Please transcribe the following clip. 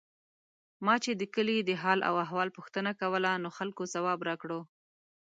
ما چې د کلي د حال او احوال پوښتنه کوله، نو خلکو ځواب راکړو.